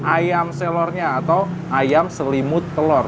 ayam selornya atau ayam selimut telur